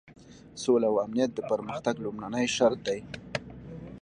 سوله او امنیت د پرمختګ لومړنی شرط دی.